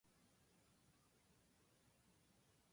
どうすればいいのかわからない